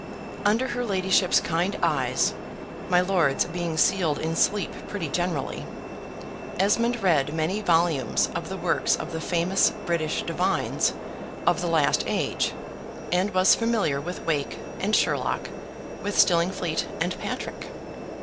Under her ladyship's kind eyes (my lord's being sealed in sleep pretty generally), Esmond read many volumes of the works of the famous British Divines of the last age, and was familiar with Wake and Sherlock, with Stillingfleet and Patrick.